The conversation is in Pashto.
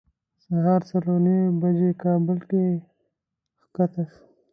سهار څلور نیمې بجې کابل کې ښکته شوو.